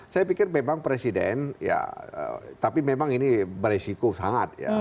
saya pikir memang presiden ya tapi memang ini beresiko sangat ya